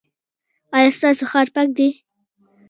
ایا ستاسو ښار پاک دی؟